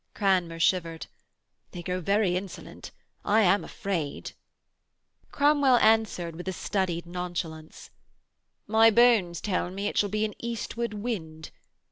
Cranmer shivered. 'They grow very insolent. I am afraid.' Cromwell answered with a studied nonchalance: 'My bones tell me it shall be an eastward wind.